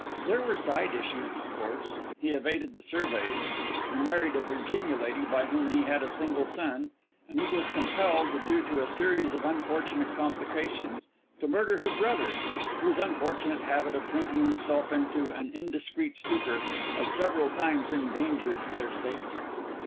There were side issues, of course he evaded the surveys, he married a Virginia lady, by whom he had a single son, and he was compelled, due to a series of unfortunate complications, to murder his brother, whose unfortunate habit of drinking himself into an indiscreet stupor had several times endangered their safety.